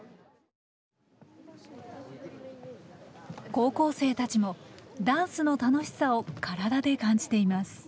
高校生たちもダンスの楽しさを体で感じています。